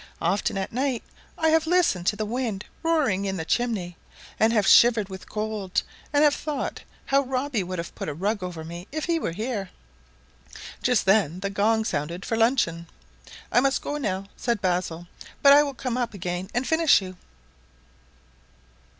Often at night I have listened to the wind roaring in the chimney and have shivered with cold, and have thought how Robbie would have put a rug over me if he were here." Just then the gong sounded for luncheon. "I must go now," said Basil, "but I will come up again and finish you."